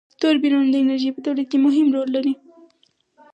توربینونه د انرژی په تولید کی مهم رول لوبوي.